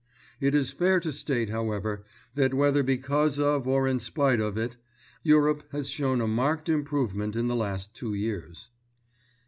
It is fair to state, however, that whether because of or in spite of it, Europe has shown a marked improvement in the last two years.